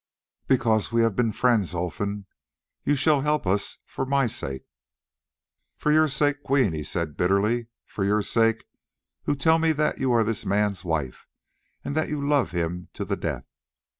"Because we have been friends, Olfan. You shall help us for my sake." "For your sake, Queen," he said bitterly, "for your sake, who tell me that you are this man's wife and that you love him to the death.